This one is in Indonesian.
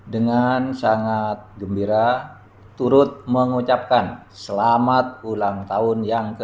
dengan sangat gembira turut mengucapkan selamat ulang tahun yang ke tujuh puluh